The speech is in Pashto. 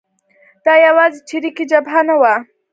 دا یوازې چریکي جبهه نه وه.